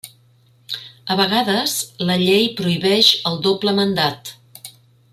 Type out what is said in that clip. A vegades, la llei prohibeix el doble mandat.